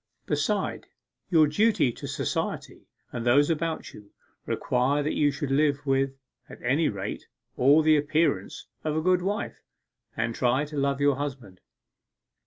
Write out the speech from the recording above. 'Besides, your duty to society, and those about you, requires that you should live with (at any rate) all the appearance of a good wife, and try to love your husband.